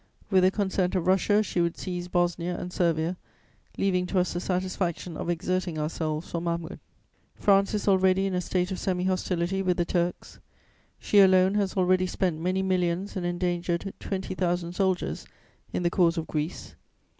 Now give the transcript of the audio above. With the consent of Russia, she would seize Bosnia and Servia, leaving to us the satisfaction of exerting ourselves for Mahmud. "France is already in a state of semi hostility with the Turks; she alone has already spent many millions and endangered twenty thousand soldiers in the cause of Greece.